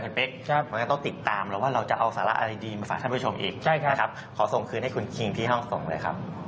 ตอนนี้ต้องมาเตรียมรับผลประกอบการณ์ปีที่แล้วแล้ว